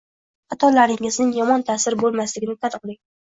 Xatolaringizning yomon ta’siri bo’lmasligini tan oling.